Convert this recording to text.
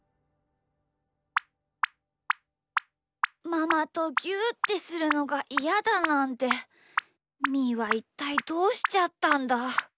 ママとぎゅうってするのがイヤだなんてみーはいったいどうしちゃったんだ？